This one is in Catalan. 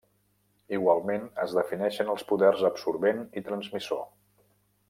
Igualment es defineixen els poders absorbent i transmissor.